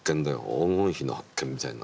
黄金比の発見みたいな。